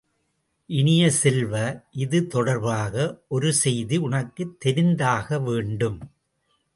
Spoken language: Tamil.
இனிய செல்வ, இது தொடர்பாக ஒரு செய்தி உனக்கு தெரிந்தாக வேண்டும்.